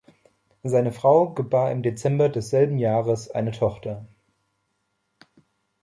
Seine Frau gebar im Dezember desselben Jahres eine Tochter.